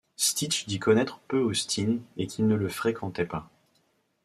Stitch dit connaître peu Austin et qu'il ne le fréquentait pas.